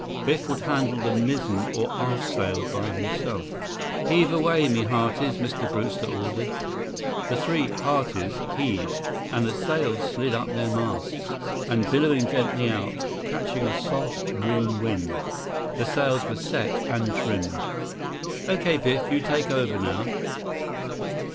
Biff would handle the mizzen or aft sail by himself. "Heave away, me hearties," Mr. Brewster ordered. The three "hearties" heaved, and the sails slid up their masts, and billowed gently out, catching a soft, warm wind. The sails were set and trimmed. "Okay, Biff, you take over now."